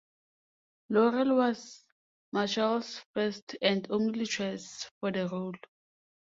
Loren was Marshall's first and only choice for the role.